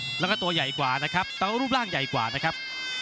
แล้วก็ตัวใหญ่กว่านะครับแต่ว่ารูปร่างใหญ่กว่านะครับ